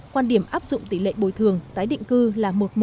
quan điểm áp dụng tỷ lệ bồi thường tái định cư là một một